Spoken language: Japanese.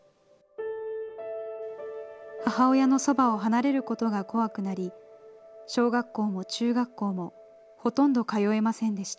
母親のそばを離れることが怖くなり、小学校も中学校もほとんど通えませんでした。